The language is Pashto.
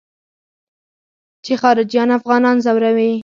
چې خارجيان افغانان ځوروي.